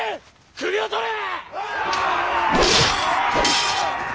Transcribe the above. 首を取れ！